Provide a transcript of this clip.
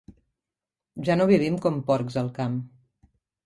Ja no vivim com porcs al camp.